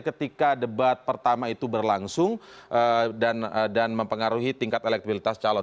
ketika debat pertama itu berlangsung dan mempengaruhi tingkat elektabilitas calon